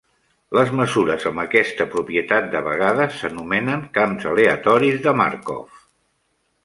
Les mesures amb aquesta propietat de vegades s'anomenen camps aleatoris de Markov.